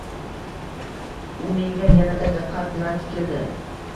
U menga yanada diqqat bilan tikildi.